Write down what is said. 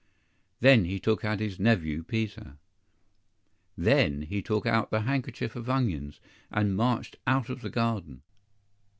Then he took out his nephew Peter. THEN he took out the handkerchief of onions, and marched out of the garden.